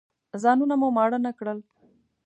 ځانونه مو ماړه نه کړل.